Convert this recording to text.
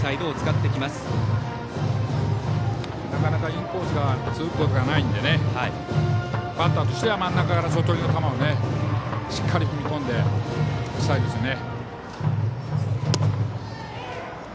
インコースが続くことがないのでバッターとしては真ん中から外寄りの球をしっかり踏み込んで打ちたいですね。